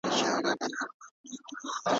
د توبې د ځنځیرونو ماتېدو ته مي زړه کیږي